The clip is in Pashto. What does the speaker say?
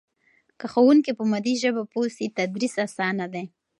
که ښوونکی په مادي ژبه پوه سي تدریس اسانه دی.